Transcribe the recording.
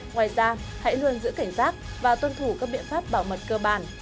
ngoài ra hãy luôn giữ cảnh giác và tuân thủ các biện pháp bảo mật cơ bản